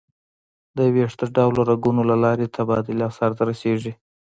د ویښته ډوله رګونو له لارې تبادله سر ته رسېږي.